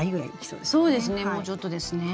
そうですねもうちょっとですね。